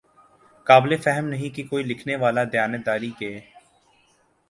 قابل فہم نہیں کہ کوئی لکھنے والا دیانت داری کے